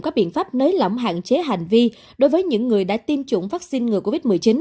có biện pháp nới lỏng hạn chế hành vi đối với những người đã tiêm chủng vaccine ngừa covid một mươi chín